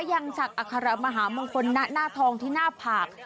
ย่างจากอัคารมหาบางคนหน้าทองที่หน้าผาก